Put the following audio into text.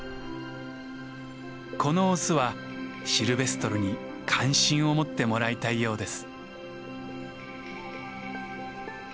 このオスはシルベストルに関心を持ってもらいたいようです。